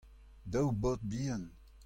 daou baotr bihan.